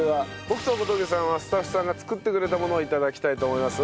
僕と小峠さんはスタッフさんが作ってくれたものを頂きたいと思います。